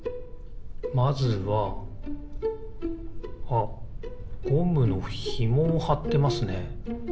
あっゴムのひもをはってますね。